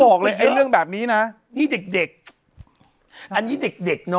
บอกเลยไอ้เรื่องแบบนี้นะนี่เด็กเด็กอันนี้เด็กเด็กเนอ